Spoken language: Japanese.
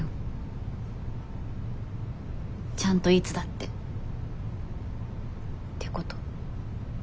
ちゃんといつだってってこと。